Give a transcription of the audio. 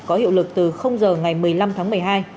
có hiệu lực từ giờ ngày một mươi năm tháng một mươi hai